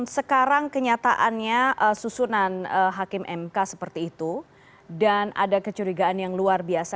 sekarang kenyataannya susunan hakim mk seperti itu dan ada kecurigaan yang luar biasa